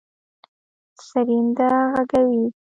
سرېنده غږوي.